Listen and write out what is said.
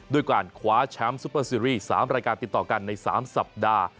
ด้วยการคว้าแชมป์ซุปเปอร์ซีรีส์๓รายการติดต่อกันใน๓สัปดาห์